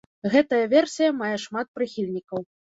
Гэтая версія мае шмат прыхільнікаў.